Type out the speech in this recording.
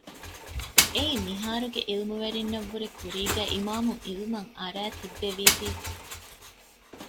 އެއީ މިހާރުގެ ޢިލްމުވެރިންނަށް ވުރެން ކުރީގެ އިމާމުން ޢިލްމަށް އަރައި ތިއްބެވީތީ